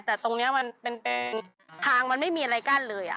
แต่ตรงนี้มันเป็นทางมันไม่มีอะไรกั้นเลย